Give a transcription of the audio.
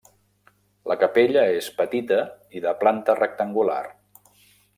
La capella és petita i de planta rectangular.